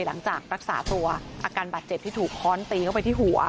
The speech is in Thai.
หลังจากรักษาตัวอาการบาดเจ็บที่ถูกค้อนตีเข้าไปที่หัว